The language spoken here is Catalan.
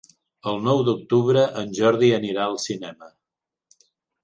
El nou d'octubre en Jordi anirà al cinema.